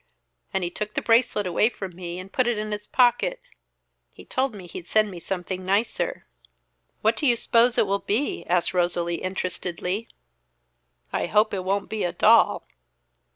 And he took the bracelet away from me and put it in his pocket. He told me he'd send me something nicer." "What do you s'pose it will be?" asked Rosalie interestedly. "I hope it won't be a doll!"